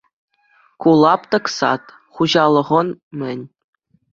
Ку лаптӑк «Сад» хуҫалӑхӑн-мӗн.